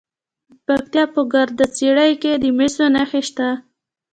د پکتیا په ګرده څیړۍ کې د مسو نښې شته.